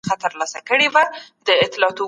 په عوامو مجلس کي څه ترسره کیږي؟